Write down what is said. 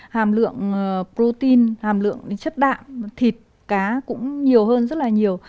hàm lượng protein hàm lượng chất đạm thịt cá cũng nhiều hơn rất là nhiều